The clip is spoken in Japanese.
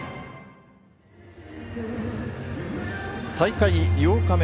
大会８日目。